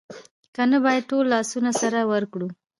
که نه باید ټول لاسونه سره ورکړو